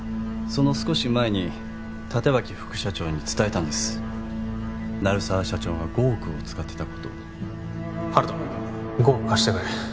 その少し前に立脇副社長に伝えたんです鳴沢社長が５億を使ってたことを温人５億貸してくれ